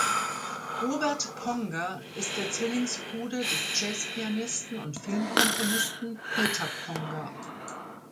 Robert Ponger ist der Zwillingsbruder des Jazzpianisten und Filmkomponisten Peter Ponger.